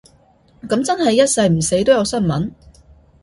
噉真係一世唔死都有新聞